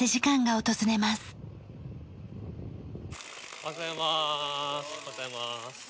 おはようございます。